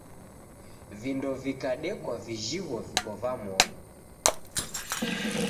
Vindo vikadekwa vijhigho viko va modo.